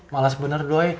malas bener doi